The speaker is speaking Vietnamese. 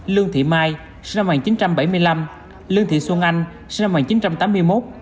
lương thị mai sinh năm một nghìn chín trăm bảy mươi năm lương thị xuân anh sinh năm một nghìn chín trăm tám mươi một